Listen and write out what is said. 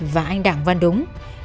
và anh đảng văn đúng